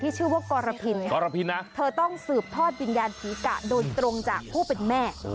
ชื่อว่ากรพินค่ะเธอต้องสืบทอดวิญญาณผีกะโดยตรงจากผู้เป็นแม่